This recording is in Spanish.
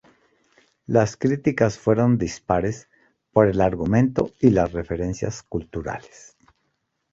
Las críticas fueron dispares por el argumento y las referencias culturales.